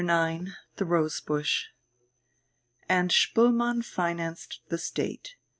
IX THE ROSE BUSH And Spoelmann financed the state.